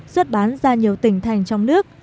xuất bán ra nhiều tỉnh thành trong nước